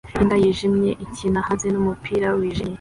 Imbwa yijimye ikina hanze numupira wijimye